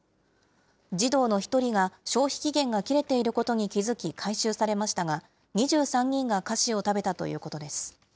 児童の１人が消費期限が切れていることに気付き、回収されましたが、２３人が菓子を食べたということです。